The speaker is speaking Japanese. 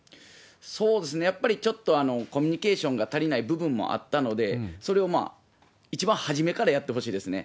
やっぱりちょっとコミュニケーションが足りない部分もあったので、それを一番初めからやってほしいですね。